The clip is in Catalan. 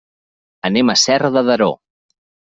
Anem a Serra de Daró.